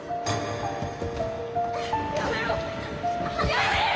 やめろ！